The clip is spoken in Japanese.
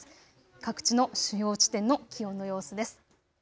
各地の主要地点の気温の様子です。